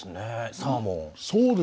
サーモン。